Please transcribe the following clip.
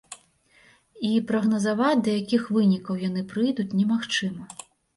І прагназаваць, да якіх вынікаў яны прыйдуць, немагчыма.